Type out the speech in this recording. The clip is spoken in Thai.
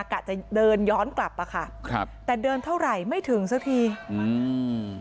กะจะเดินย้อนกลับอ่ะค่ะครับแต่เดินเท่าไหร่ไม่ถึงสักทีอืม